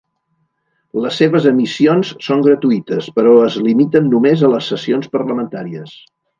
Les seves emissions són gratuïtes però es limiten només a les sessions parlamentàries.